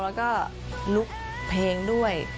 แล้วก็ลุกเพลงด้วย